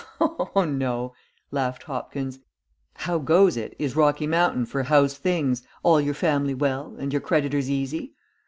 "Oh, no," laughed Hopkins. "How goes it is Rocky Mountain for how's things, all your family well, and your creditors easy?"